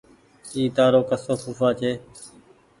اي تآرو ڪسو ڦوڦآ ڇي